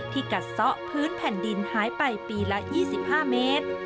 กัดซะพื้นแผ่นดินหายไปปีละ๒๕เมตร